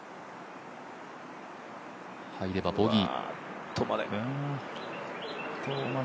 入ればボギー。